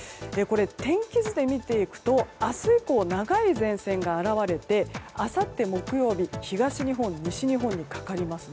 天気図で見ていき舞うと明日以降は長い前線が現れてあさって木曜日東日本、西日本にかかります。